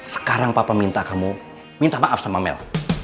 sekarang papa minta kamu minta maaf sama mel